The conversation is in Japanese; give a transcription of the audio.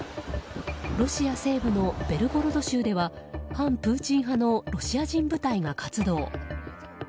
ロシア西部のベルゴロド州では反プーチン派のロシア人部隊が活動。